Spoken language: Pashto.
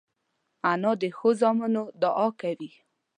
انا د ښو زامنو دعا کوي